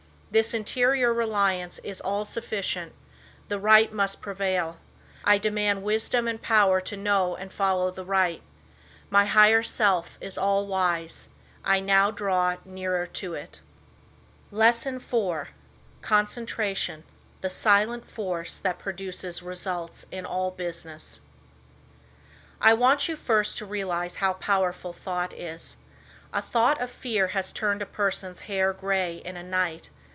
This interior reliance is all sufficient. The right must prevail. I demand wisdom and power to know and follow the right. My higher self is all wise. I now draw nearer to it." LESSON IV. CONCENTRATION, THE SILENT FORCE THAT PRODUCES RESULTS IN ALL BUSINESS I want you first to realize how powerful thought is. A thought of fear has turned a person's hair gray in a night.